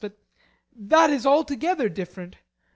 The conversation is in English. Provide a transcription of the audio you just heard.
But that is altogether different.